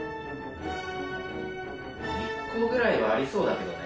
１個ぐらいはありそうだけどね。